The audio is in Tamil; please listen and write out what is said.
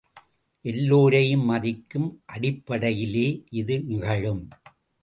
எல்லோரையும் மதிக்கும் அடிப்படையிலே இது நிகழும்.